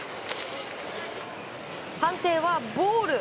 判定はボール。